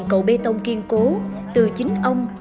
cầu bê tông kiên cố từ chính ông